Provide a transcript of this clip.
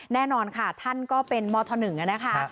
แน่นอนค่ะท่านก็เป็นมธ๑นะคะ